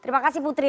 terima kasih putri